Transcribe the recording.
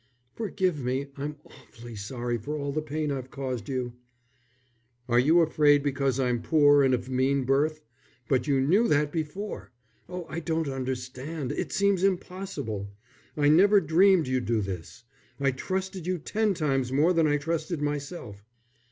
"Forgive me. I'm awfully sorry for all the pain I've caused you." "Are you afraid because I'm poor and of mean birth? But you knew that before. Oh, I don't understand; it seems impossible. I never dreamed you'd do this. I trusted you ten times more than I trusted myself."